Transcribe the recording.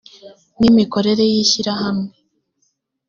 n imikorere y ishyirahamwe